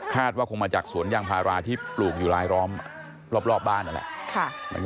ว่าคงมาจากสวนยางพาราที่ปลูกอยู่รายล้อมรอบบ้านนั่นแหละ